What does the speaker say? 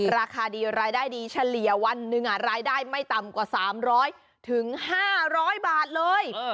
ราคาดีรายได้ดีเฉลี่ยวันหนึ่งรายได้ไม่ต่ำกว่า๓๐๐๕๐๐บาทเลย